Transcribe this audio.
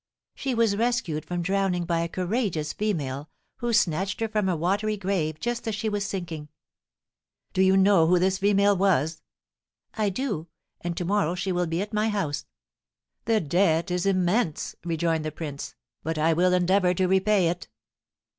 "She was rescued from drowning by a courageous female, who snatched her from a watery grave just as she was sinking." "Do you know who this female was?" "I do; and to morrow she will be at my house." "The debt is immense!" rejoined the prince; "but I will endeavour to repay it."